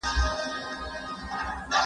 هنري اړخ په شعر کې د ښکلا نښه ده.